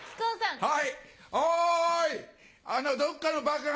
はい。